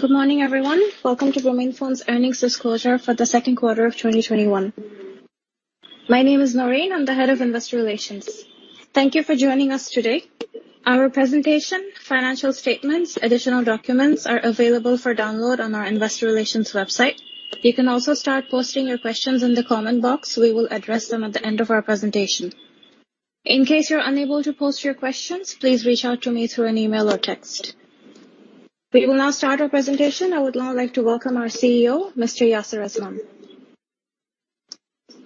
Good morning, everyone. Welcome to Grameenphone's earnings disclosure for the second quarter of 2021. My name is Naureen, I'm the head of investor relations. Thank you for joining us today. Our presentation, financial statements, additional documents are available for download on our investor relations website. You can also start posting your questions in the comment box. We will address them at the end of our presentation. In case you're unable to post your questions, please reach out to me through an email or text. We will now start our presentation. I would now like to welcome our CEO, Mr. Yasir Azman.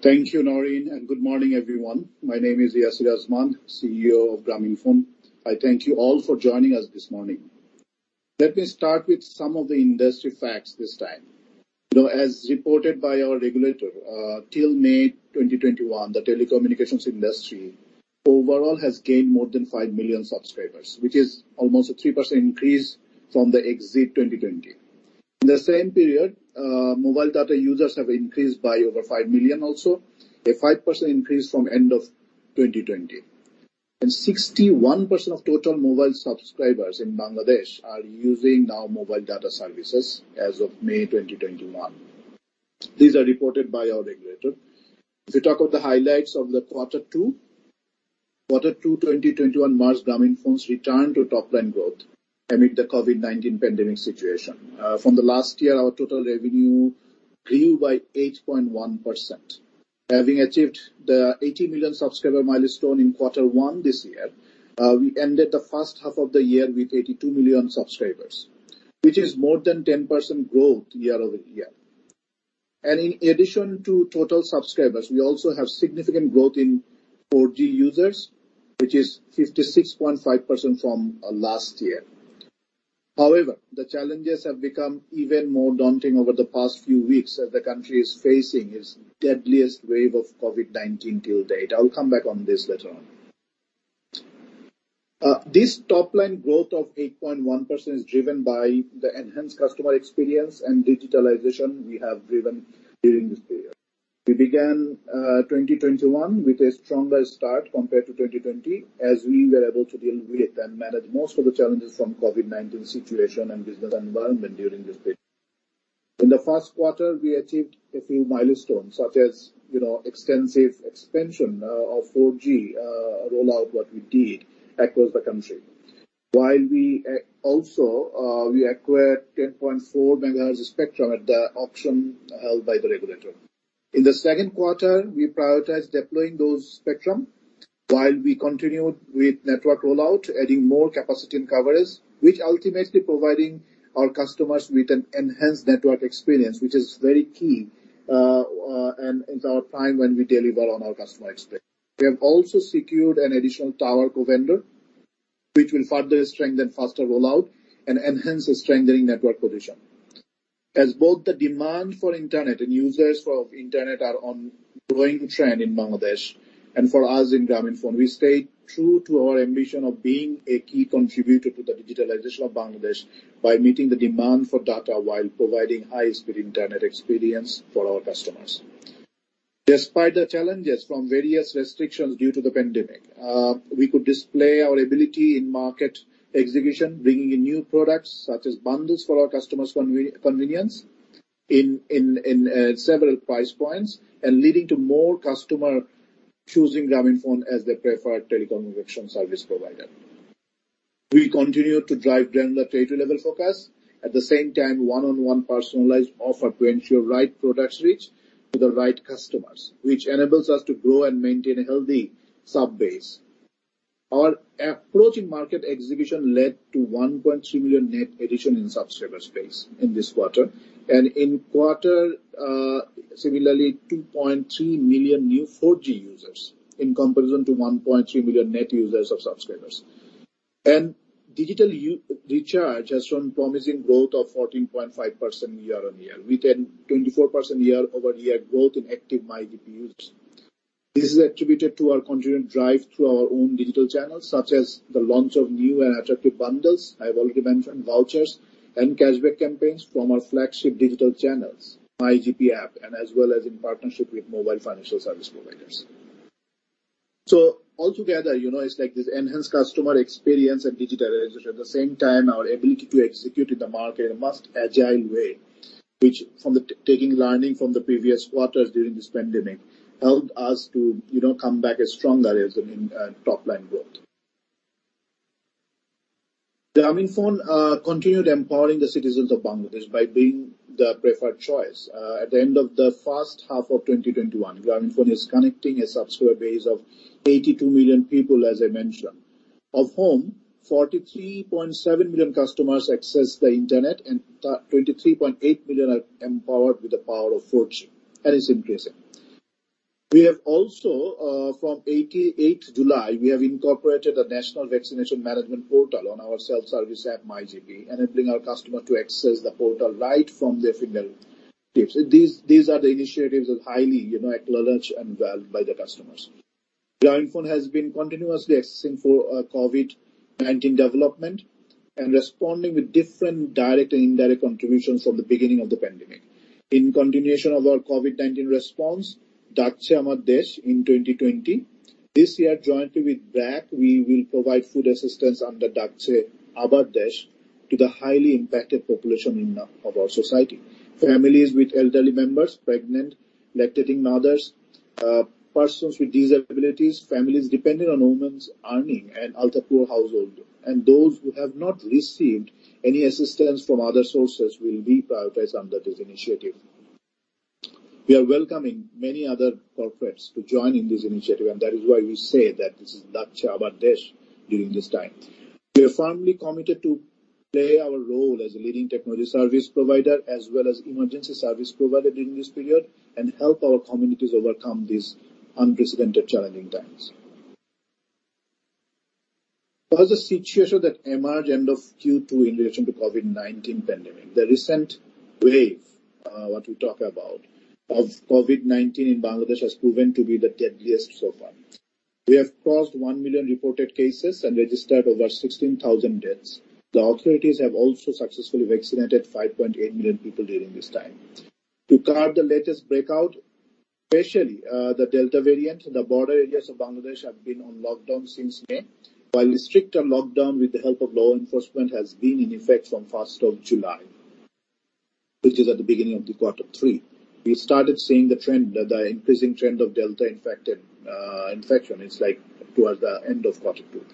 Thank you, Naureen. Good morning, everyone. My name is Yasir Azman, CEO of Grameenphone. I thank you all for joining us this morning. Let me start with some of the industry facts this time. As reported by our regulator, till May 2021, the telecommunications industry overall has gained more than 5 million subscribers, which is almost a 3% increase from the exit 2020. In the same period, mobile data users have increased by over 5 million also, a 5% increase from end of 2020. 61% of total mobile subscribers in Bangladesh are using now mobile data services as of May 2021. These are reported by our regulator. If we talk about the highlights of the quarter two, quarter two 2021 marked Grameenphone's return to top-line growth amid the COVID-19 pandemic situation. From the last year, our total revenue grew by 8.1%. Having achieved the 80 million subscriber milestone in Q1 this year, we ended the first half of the year with 82 million subscribers, which is more than 10% growth year-over-year. In addition to total subscribers, we also have significant growth in 4G users, which is 56.5% from last year. However, the challenges have become even more daunting over the past few weeks as the country is facing its deadliest wave of COVID-19 till date. I'll come back on this later on. This top-line growth of 8.1% is driven by the enhanced customer experience and digitalization we have driven during this period. We began 2021 with a stronger start compared to 2020, as we were able to deal with and manage most of the challenges from COVID-19 situation and business environment during this period. In the first quarter, we achieved a few milestones such as extensive expansion of 4G rollout that we did across the country. While we also acquired 10.4 MHz of spectrum at the auction held by the regulator. In the second quarter, we prioritized deploying those spectrum while we continued with network rollout, adding more capacity and coverage, which ultimately providing our customers with an enhanced network experience, which is very key in our time when we deliver on our customer experience. We have also secured an additional tower provider, which will further strengthen faster rollout and enhance the strengthening network position. As both the demand for internet and users of internet are on growing trend in Bangladesh, for us in Grameenphone, we stay true to our ambition of being a key contributor to the digitalization of Bangladesh by meeting the demand for data while providing high-speed internet experience for our customers. Despite the challenges from various restrictions due to the pandemic, we could display our ability in market execution, bringing in new products such as bundles for our customers' convenience in several price points and leading to more customer choosing Grameenphone as their preferred telecommunication service provider. We continue to drive down the trade level focus. At the same time, one-on-one personalized offer to ensure right products reach to the right customers, which enables us to grow and maintain a healthy sub-base. Our approach in market execution led to 1.3 million net addition in subscribers base in this quarter, and in quarter, similarly, 2.3 million new 4G users in comparison to 1.3 million net users of subscribers. Digital recharge has shown promising growth of 14.5% year-over-year, with a 24% year-over-year growth in active MyGP users. This is attributed to our continued drive through our own digital channels, such as the launch of new and attractive bundles, mobile payment and vouchers, and cashback campaigns from our flagship digital channels, MyGP app, and as well as in partnership with mobile financial service providers. Altogether, it's like this enhanced customer experience and digitalization. At the same time, our ability to execute in the market in a most agile way, which from taking learning from the previous quarters during this pandemic, helped us to come back stronger as in top-line growth. Grameenphone continued empowering the citizens of Bangladesh by being the preferred choice. At the end of the first half of 2021, Grameenphone is connecting a subscriber base of 82 million people, as I mentioned, of whom 43.7 million customers access the internet and 23.8 million are empowered with the power of 4G, and it's increasing. We have also, from 8th July, we have incorporated the National Vaccination Management Portal on our self-service app, MyGP, enabling our customer to access the portal right from their fingertips. These are the initiatives that are highly acknowledged and valued by the customers. Grameenphone has been continuously assessing for COVID-19 development and responding with different direct and indirect contributions from the beginning of the pandemic. In continuation of our COVID-19 response, Dakche Amar Desh in 2020. This year, jointly with BRAC, we will provide food assistance under Dakche Amar Desh to the highly impacted population of our society. Families with elderly members, pregnant, lactating mothers, persons with disabilities, families dependent on women's earning, and other poor households, and those who have not received any assistance from other sources will be prioritized under this initiative. We are welcoming many other corporates to join in this initiative, and that is why we say that this is Dakche Amar Desh during this time. We are firmly committed to play our role as a leading technology service provider as well as emergency service provider during this period and help our communities overcome these unprecedented challenging times. The situation that emerged end of Q2 in relation to COVID-19 pandemic, the recent wave, what we talk about, of COVID-19 in Bangladesh has proven to be the deadliest so far. We have crossed 1 million reported cases and registered over 16,000 deaths. The authorities have also successfully vaccinated 5.8 million people during this time. To curb the latest breakout, especially the Delta variant, the border areas of Bangladesh have been on lockdown since May, while stricter lockdown with the help of law enforcement has been in effect from 1st of July, which is at the beginning of the quarter three. We started seeing the increasing trend of Delta infection towards the end of quarter two.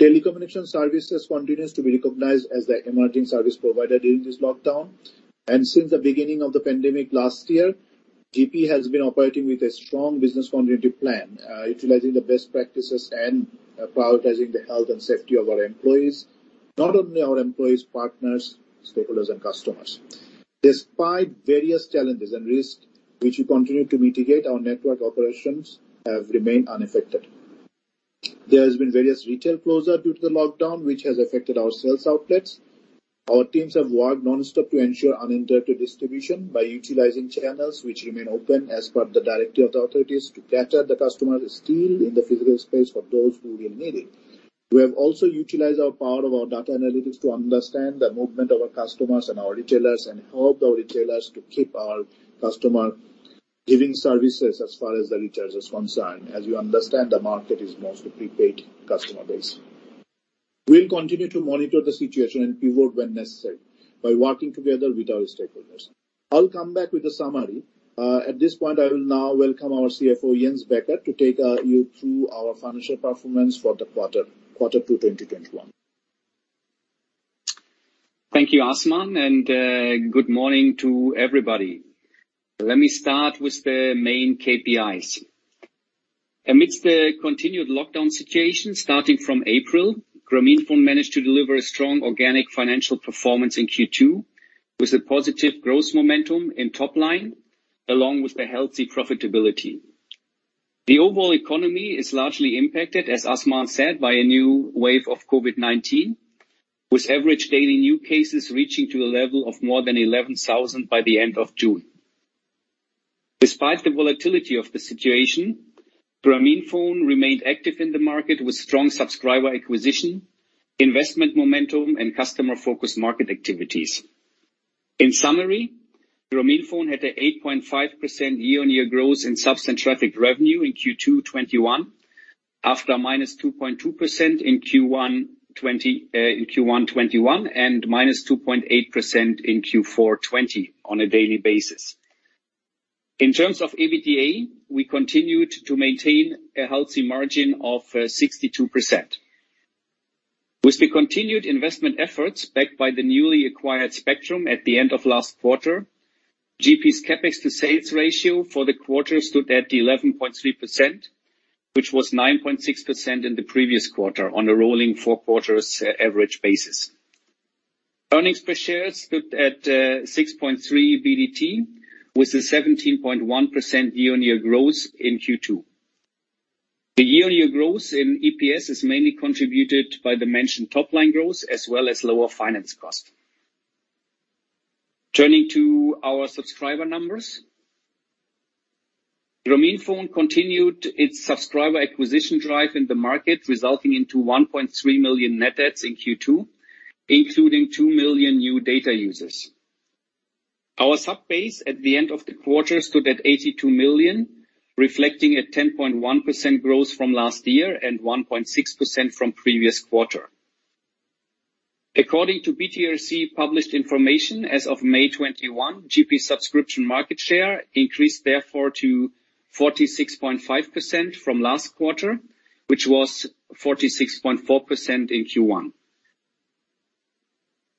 Telecommunication services continues to be recognized as the emerging service provider during this lockdown, and since the beginning of the pandemic last year, GP has been operating with a strong business continuity plan, utilizing the best practices and prioritizing the health and safety of our employees, not only our employees, partners, stakeholders, and customers. Despite various challenges and risks which we continue to mitigate, our network operations have remained unaffected. There has been various retail closure due to the lockdown, which has affected our sales outlets. Our teams have worked nonstop to ensure uninterrupted distribution by utilizing channels which remain open as per the directive of the authorities to capture the customer still in the physical space for those who really need it. We have also utilized our power of our data analytics to understand the movement of our customers and our retailers and helped our retailers to keep our customer giving services as far as the retailers are concerned. As you understand, the market is mostly prepaid customer based. We'll continue to monitor the situation and pivot when necessary by working together with our stakeholders. I'll come back with a summary. At this point, I will now welcome our CFO, Jens Becker, to take you through our financial performance for the quarter two 2021. Thank you, Azman, and good morning to everybody. Let me start with the main KPIs. Amidst the continued lockdown situation starting from April, Grameenphone managed to deliver a strong organic financial performance in Q2 with a positive growth momentum in top line, along with a healthy profitability. The overall economy is largely impacted, as Azman said, by a new wave of COVID-19, with average daily new cases reaching to a level of more than 11,000 by the end of June. Despite the volatility of the situation, Grameenphone remained active in the market with strong subscriber acquisition, investment momentum, and customer-focused market activities. In summary, Grameenphone had an 8.5% year-on-year growth in subs and traffic revenue in Q2 2021, after minus 2.2% in Q1 2021 and minus 2.8% in Q4 2020 on a daily basis. In terms of EBITDA, we continued to maintain a healthy margin of 62%. With the continued investment efforts backed by the newly acquired spectrum at the end of last quarter, GP's CapEx to sales ratio for the quarter stood at 11.3%, which was 9.6% in the previous quarter on a rolling four quarters average basis. Earnings per share stood at BDT 6.3 with a 17.1% year-on-year growth in Q2. The year-on-year growth in EPS is mainly contributed by the mentioned top line growth as well as lower finance cost. Turning to our subscriber numbers. Grameenphone continued its subscriber acquisition drive in the market, resulting into 1.3 million net adds in Q2, including 2 million new data users. Our sub base at the end of the quarter stood at 82 million, reflecting a 10.1% growth from last year and 1.6% from previous quarter. According to BTRC published information as of May 2021, GP subscription market share increased therefore to 46.5% from last quarter, which was 46.4% in Q1.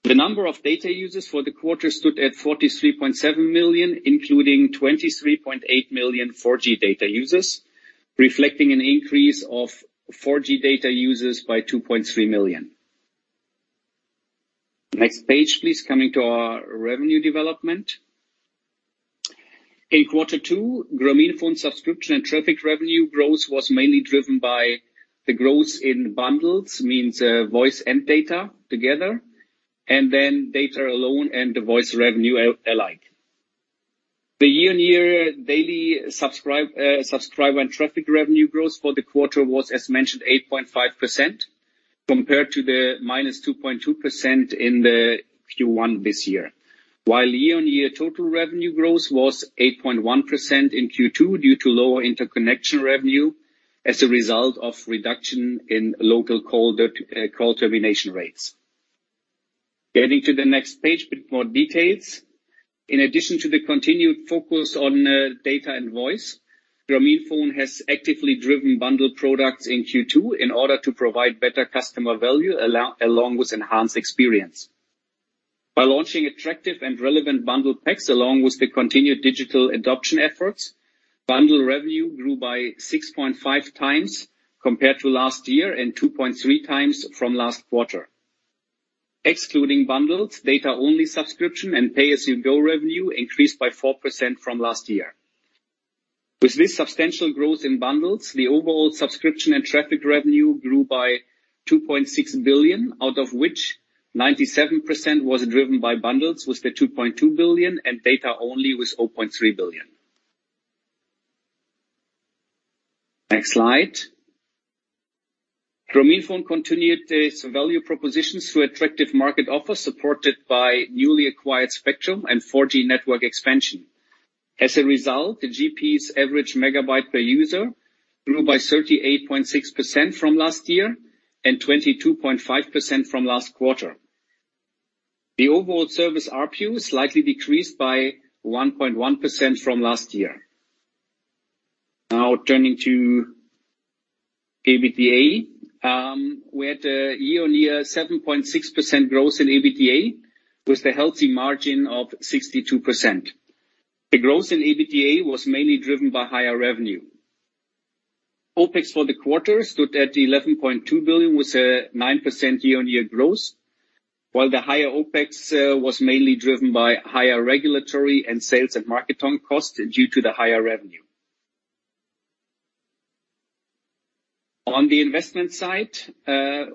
The number of data users for the quarter stood at 43.7 million, including 23.8 million 4G data users, reflecting an increase of 4G data users by 2.3 million. Next page, please, coming to our revenue development. In quarter two, Grameenphone subscription and traffic revenue growth was mainly driven by the growth in bundles, means voice and data together, and then data alone and the voice revenue alike. The year-on-year daily subscriber traffic revenue growth for the quarter was, as mentioned, 8.5% compared to the -2.2% in Q1 this year. Year-on-year total revenue growth was 8.1% in Q2 due to lower interconnection revenue as a result of reduction in local call termination rates. Getting to the next page, a bit more details. In addition to the continued focus on data and voice, Grameenphone has actively driven bundled products in Q2 in order to provide better customer value along with enhanced experience. By launching attractive and relevant bundle packs along with the continued digital adoption efforts, bundle revenue grew by 6.5 times compared to last year and 2.3 times from last quarter. Excluding bundles, data-only subscription and pay-as-you-go revenue increased by 4% from last year. With this substantial growth in bundles, the overall subscription and traffic revenue grew by BDT 2.6 billion, out of which 97% was driven by bundles with BDT 2.2 billion and data only with BDT 0.3 billion. Next slide. Grameenphone continued its value propositions through attractive market offers supported by newly acquired spectrum and 4G network expansion. As a result, the GP's average megabyte per user grew by 38.6% from last year and 22.5% from last quarter. The overall service RPU slightly decreased by 1.1% from last year. Turning to EBITDA. We had a year-on-year 7.6% growth in EBITDA with a healthy margin of 62%. The growth in EBITDA was mainly driven by higher revenue. OPEX for the quarter stood at BDT 11.2 billion with a 9% year-on-year growth, while the higher OPEX was mainly driven by higher regulatory and sales and marketing costs due to the higher revenue. On the investment side,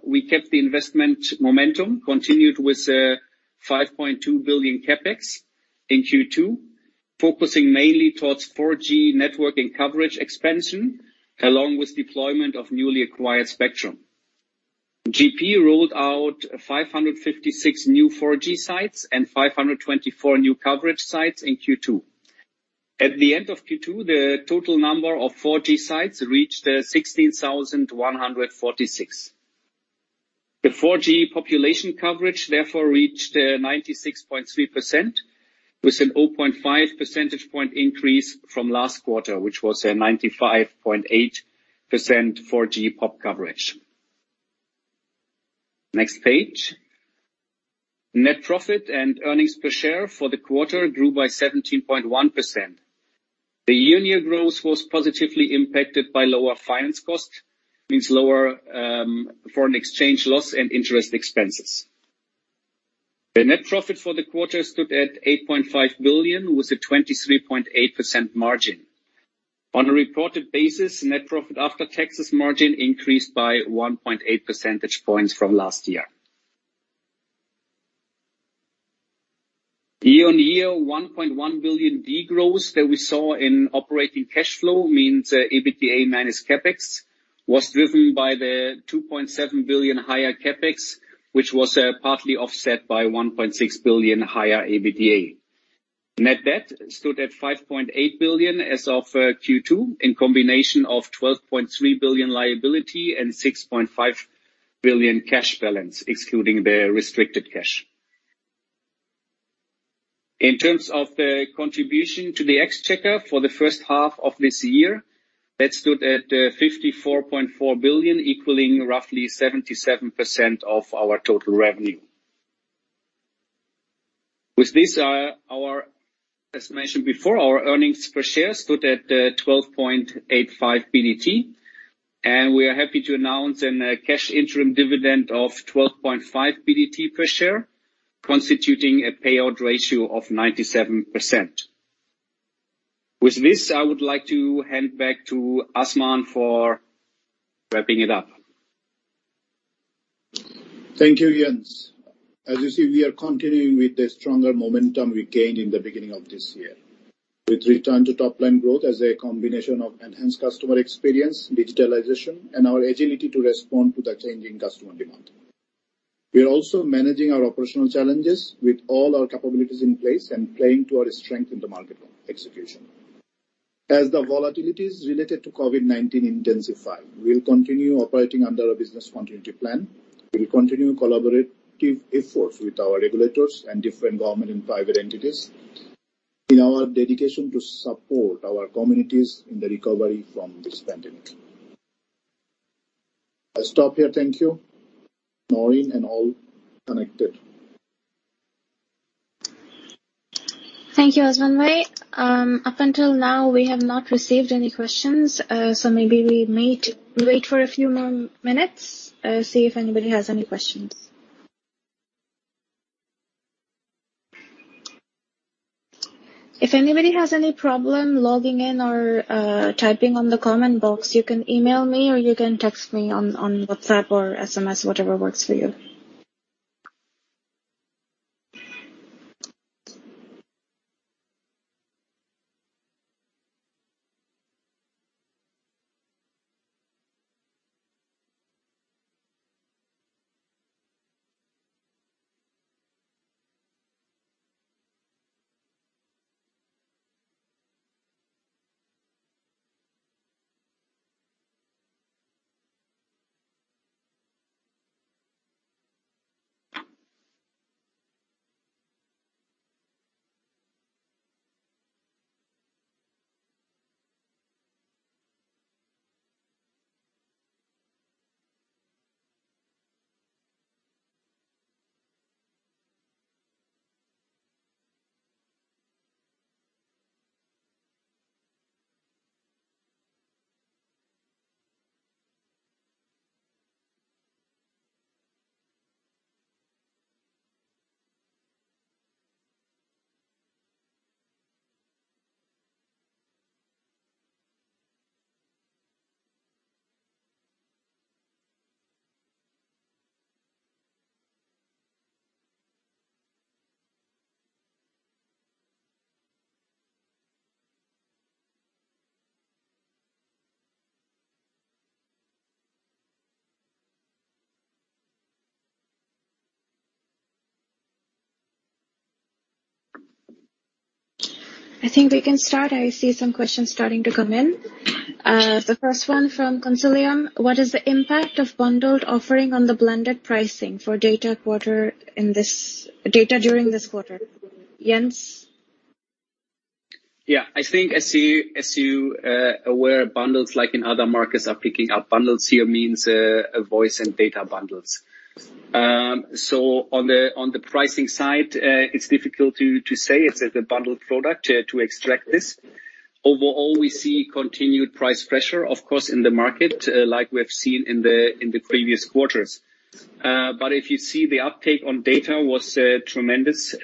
we kept the investment momentum, continued with BDT 5.2 billion CapEx in Q2, focusing mainly towards 4G network and coverage expansion along with deployment of newly acquired spectrum. GP rolled out 556 new 4G sites and 524 new coverage sites in Q2. At the end of Q2, the total number of 4G sites reached 16,146. The 4G population coverage therefore reached 96.3% with an 0.5 percentage point increase from last quarter, which was a 95.8% 4G pop coverage. Next page. Net profit and earnings per share for the quarter grew by 17.1%. The year-on-year growth was positively impacted by lower finance cost, means lower foreign exchange loss and interest expenses. The net profit for the quarter stood at BDT 8.5 billion with a 23.8% margin. On a reported basis, net profit after taxes margin increased by 1.8 percentage points from last year. Year-on-year BDT 1.1 billion degrowth that we saw in operating cash flow, means EBITDA minus CapEx, was driven by the BDT 2.7 billion higher CapEx, which was partly offset by BDT 1.6 billion higher EBITDA. Net debt stood at BDT 5.8 billion as of Q2 in combination of BDT 12.3 billion liability and BDT 6.5 billion cash balance excluding the restricted cash. In terms of the contribution to the exchequer for the first half of this year, that stood at BDT 54.4 billion, equaling roughly 77% of our total revenue. With this, as mentioned before, our earnings per share stood at BDT 12.85, and we are happy to announce a cash interim dividend of BDT 12.5 per share, constituting a payout ratio of 97%. With this, I would like to hand back to Azman for wrapping it up. Thank you, Jens. As you see, we are continuing with the stronger momentum we gained in the beginning of this year, with return to top line growth as a combination of enhanced customer experience, digitalization, and our agility to respond to the changing customer demand. We are also managing our operational challenges with all our capabilities in place and playing to our strength in the market execution. As the volatilities related to COVID-19 intensify, we'll continue operating under a business continuity plan. We'll continue collaborative efforts with our regulators and different government and private entities in our dedication to support our communities in the recovery from this pandemic. I stop here. Thank you, Naureen and all connected. Thank you, Azman. Up until now, we have not received any questions. Maybe we wait for a few more minutes, see if anybody has any questions. If anybody has any problem logging in or typing on the comment box, you can email me or you can text me on WhatsApp or SMS, whatever works for you. I think we can start. I see some questions starting to come in. The first one from Consilium: What is the impact of bundled offering on the blended pricing for data during this quarter? Jens? Yeah. I think as you're aware, bundles like in other markets are picking up. Bundles here means voice and data bundles. On the pricing side, it's difficult to say, as a bundled product to extract this. Overall, we see continued price pressure, of course, in the market, like we have seen in the previous quarters. If you see the uptake on data was tremendous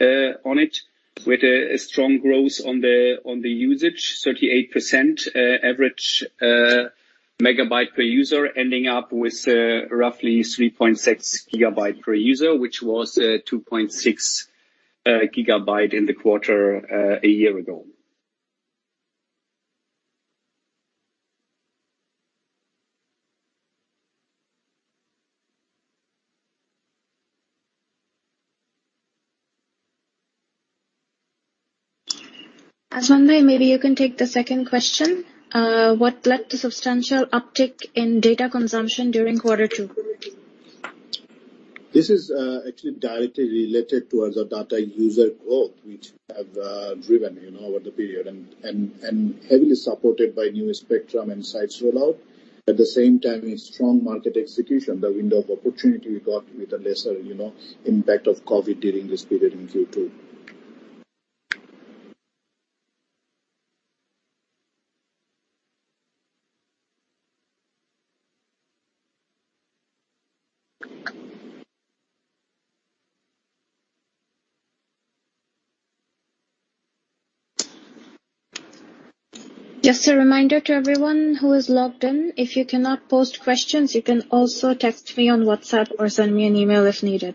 on it with a strong growth on the usage, 38% average MB per user, ending up with roughly 3.6 GB per user, which was 2.6 GB in the quarter a year ago. Azman, maybe you can take the second question. What led to substantial uptake in data consumption during quarter two? This is actually directly related towards the data user growth, which we have driven over the period and heavily supported by new spectrum and sites rollout. At the same time, a strong market execution, the window of opportunity we got with a lesser impact of COVID-19 during this period in Q2. Just a reminder to everyone who is logged in, if you cannot post questions, you can also text me on WhatsApp or send me an email if needed.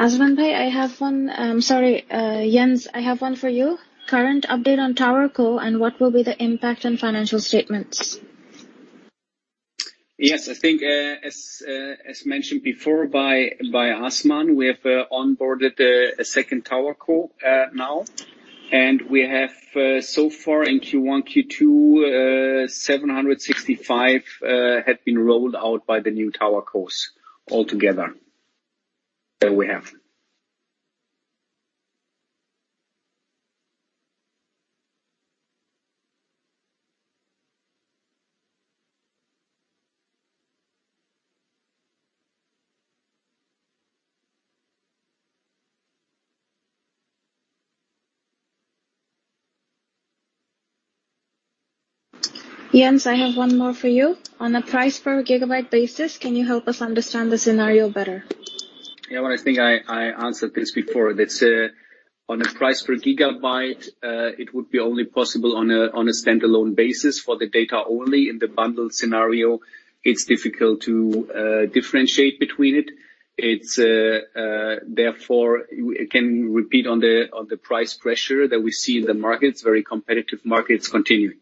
Azman, I'm sorry, Jens, I have one for you. Current update on towerco and what will be the impact on financial statements? Yes. I think as mentioned before by Azman, we have onboarded a second towerco now, and we have so far in Q1, Q2, 765 have been rolled out by the new towercos altogether that we have. Jens, I have one more for you. On a price per gigabyte basis, can you help us understand the scenario better? Yeah. I think I answered this before. That on a price per gigabyte, it would be only possible on a standalone basis for the data only. In the bundle scenario, it's difficult to differentiate between it. Therefore, it can repeat on the price pressure that we see in the markets. Very competitive markets continue.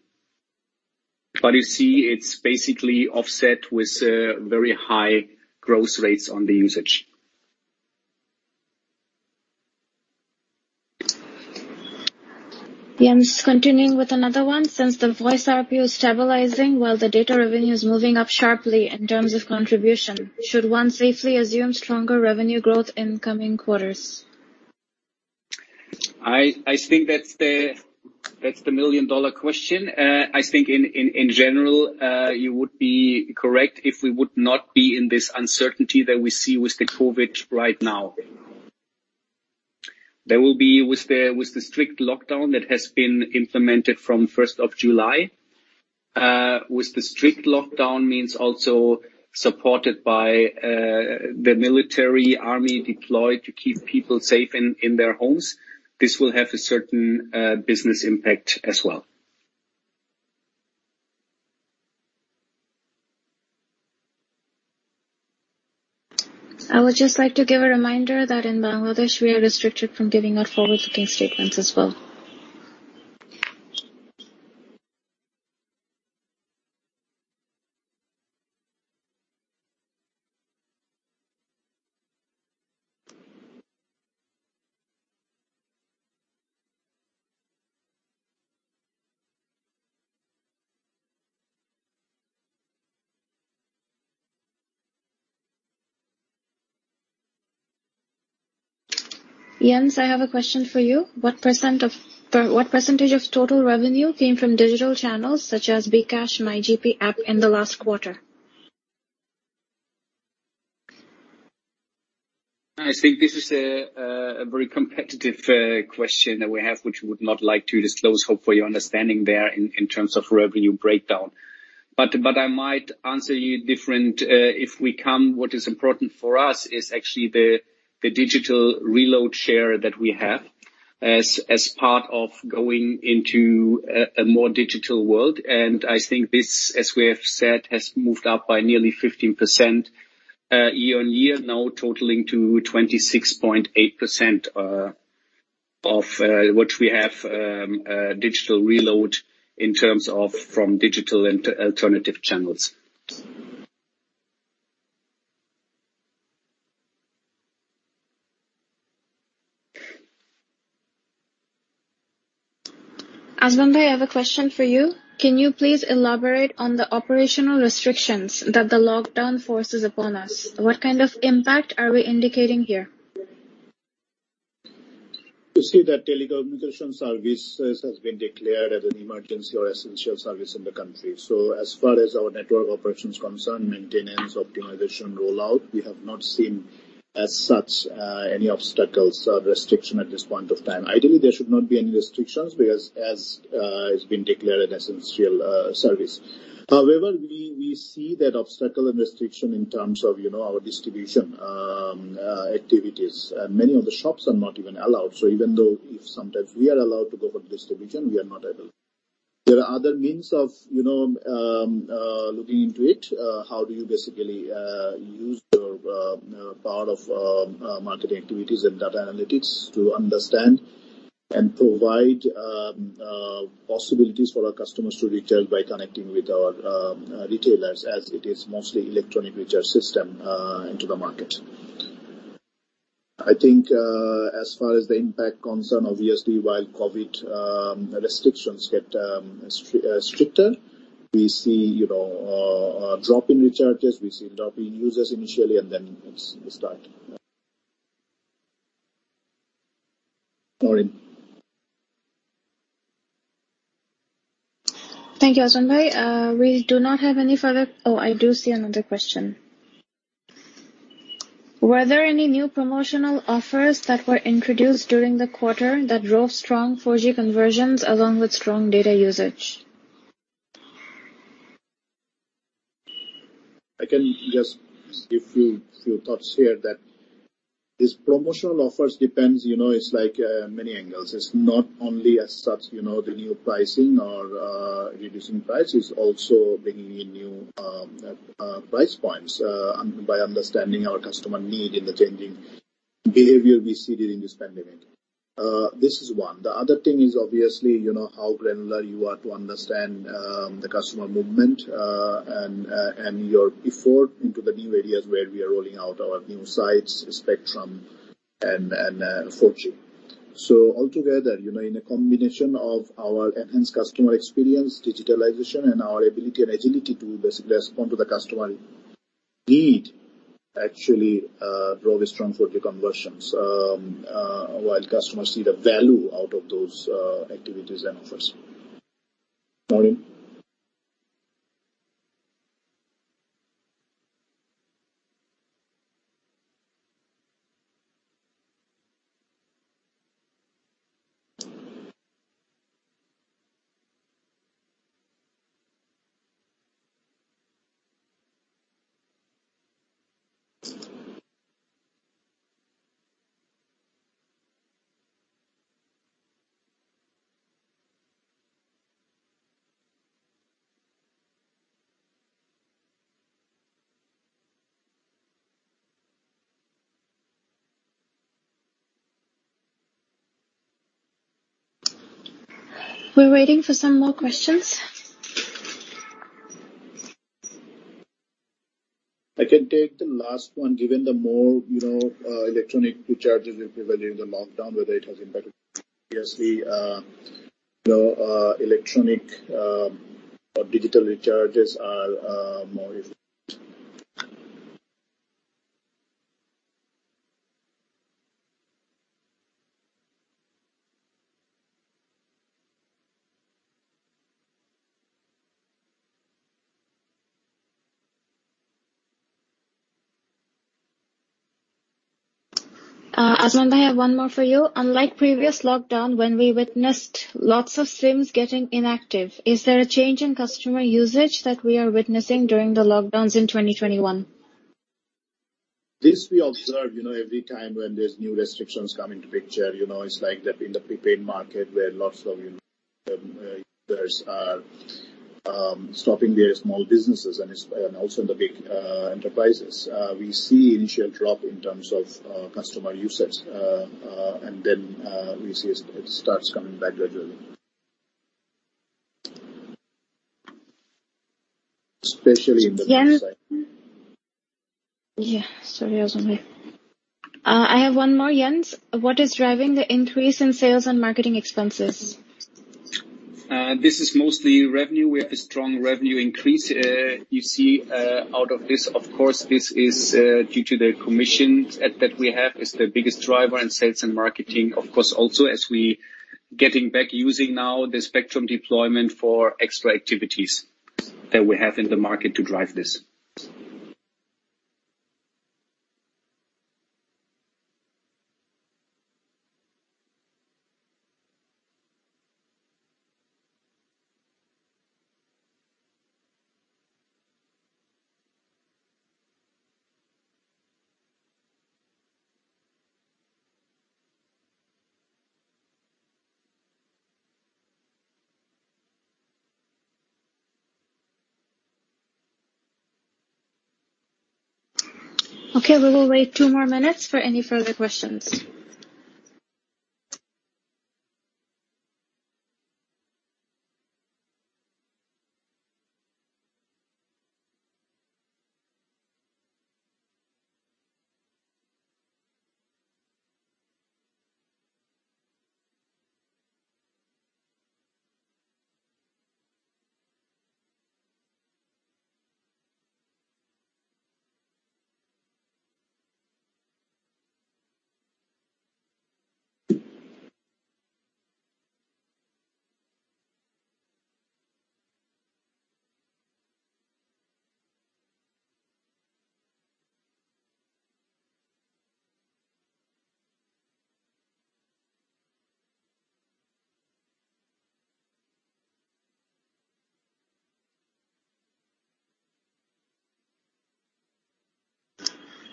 You see it's basically offset with very high growth rates on the usage. Jens, continuing with another one. Since the voice RPU is stabilizing while the data revenue is moving up sharply in terms of contribution, should 133 assume stronger revenue growth in coming quarters? I think that's the million-dollar question. I think in general, you would be correct if we would not be in this uncertainty that we see with the COVID-19 right now. There will be with the strict lockdown that has been implemented from the 1st of July. With the strict lockdown means also supported by the military army deployed to keep people safe in their homes. This will have a certain business impact as well. I would just like to give a reminder that in Bangladesh, we are restricted from giving forward-looking statements as well. Jens, I have a question for you. What percentage of total revenue came from digital channels such as bKash, MyGP App in the last quarter? I think this is a very competitive question that we have, which we would not like to disclose. Hopefully, you understand there in terms of revenue breakdown. I might answer you different if we can. What is important for us is actually the digital reload share that we have as part of going into a more digital world, and I think this, as we have said, has moved up by nearly 15% year-on-year, now totaling to 26.8% of what we have digital reload in terms of from digital and alternative channels. Azman, I have a question for you. Can you please elaborate on the operational restrictions that the lockdown forces upon us? What kind of impact are we indicating here? You see that telecommunication services have been declared as an emergency or essential service in the country. As far as our network operations are concerned, maintenance, optimization, rollout, we have not seen as such any obstacles or restrictions at this point in time. Ideally, there should not be any restrictions because as it's been declared an essential service. However, we see that obstacle and restriction in terms of our distribution activities. Many of the shops are not even allowed. Even though if sometimes we are allowed to go for distribution, we are not able. There are other means of looking into it. How do you basically use your power of marketing activities and data analytics to understand and provide possibilities for our customers to retail by connecting with our retailers as it is mostly electronic retail system into the market? I think as far as the impact is concerned, obviously, while COVID-19 restrictions get stricter, we see a drop in recharges, we see a drop in users initially. Naureen. Thank you, Azman. We do not have any. Oh, I do see another question. Were there any new promotional offers that were introduced during the quarter that drove strong 4G conversions along with strong data usage? I can just give you a few thoughts here that these promotional offers depends, it's like many angles. It's not only as such the new pricing or reducing price. It's also bringing in new price points by understanding our customer need and the changing behavior we see during the spending. This is one. The other thing is obviously how granular you are to understand the customer movement and your effort into the new areas where we are rolling out our new sites, spectrum, and 4G. Altogether, in a combination of our enhanced customer experience, digitalization, and our ability and agility to basically respond to the customer need actually drove strong 4G conversions while customers see the value out of those activities and offers. Naureen. We're waiting for some more questions. I can take the last one. Given the more electronic pre-charges we provide during the lockdown, the rate has improved. Obviously, electronic or digital recharges are more efficient. Azman, I have one more for you. Unlike previous lockdown, when we witnessed lots of SIMs getting inactive, is there a change in customer usage that we are witnessing during the lockdowns in 2021? This we observe every time when there's new restrictions coming to picture. It's like that in the prepaid market where lots of users are stopping their small businesses and also the big enterprises. We see initial drop in terms of customer usage, and then we see it starts coming back gradually. Especially in the... Jens. Sorry, Azman. I have one more, Jens. What is driving the increase in sales and marketing expenses? This is mostly revenue. We have a strong revenue increase. You see out of this, of course, this is due to the commission that we have is the biggest driver in sales and marketing. Of course, also as we getting back using now the spectrum deployment for extra activities that we have in the market to drive this. Okay. We will wait two more minutes for any further questions.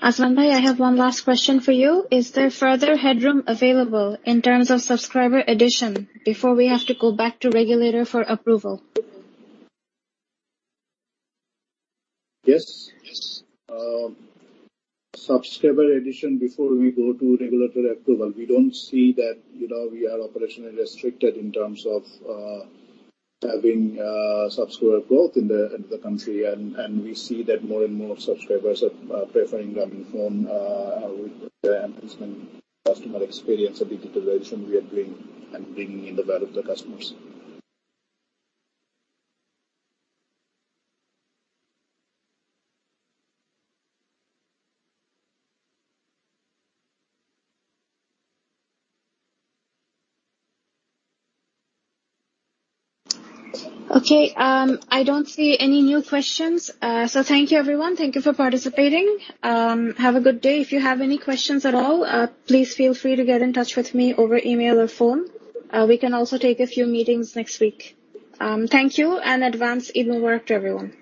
Azman, I have one last question for you. Is there further headroom available in terms of subscriber addition before we have to go back to regulator for approval? Yes. Subscriber addition before we go to regulatory approval, we don't see that we are operationally restricted in terms of having subscriber growth in the country, and we see that more and more subscribers are preferring Grameenphone with the enhancement customer experience and digital version we are doing and bringing in the value to customers. Okay. I don't see any new questions. Thank you, everyone. Thank you for participating. Have a good day. If you have any questions at all, please feel free to get in touch with me over email or phone. We can also take a few meetings next week. Thank you, and advance Eid Mubarak to everyone.